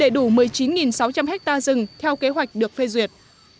để đủ một mươi chín sáu trăm linh hectare rừng theo kế hoạch được phê duyệt